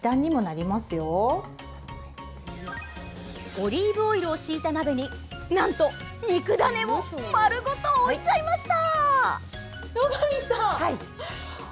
オリーブオイルを敷いた鍋になんと、肉ダネを丸ごと置いちゃいました！